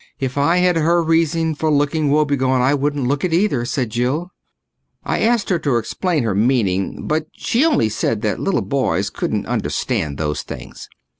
"If I had her reason for looking woebegone I wouldn't look it either," said Jill. I asked her to explain her meaning, but she only said that little boys couldn't understand those things.